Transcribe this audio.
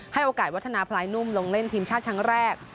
ให้โอกาสวัฒนาพลายนุ่มลงเล่นทีมชาติครั้งแรก